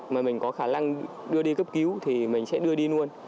mà mình có khả năng đưa đi cấp cứu thì mình sẽ đưa đi luôn